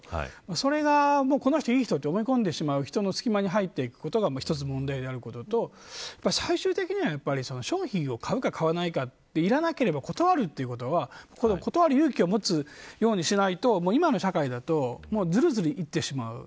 それが、この人いい人と思い込んでしまう人の隙間に入っていくことが問題であることと最終的には商品を買うか買わないかっていらなければ断るということは断る勇気を持つようにしないと今の社会だとずるずるいってしまう。